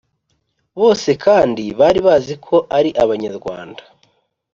Bose kandi bari bazi ko ari Abanyarwanda,